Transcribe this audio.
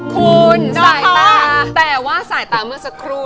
คุณแต่ว่าสายตาเป็นสายตาเมื่อสักครู่